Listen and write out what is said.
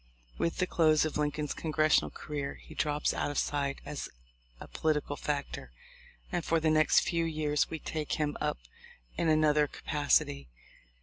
With the close of Lincoln's congressional career he drops out of sight as a political factor, and for the next few years we take him up in another capac ity.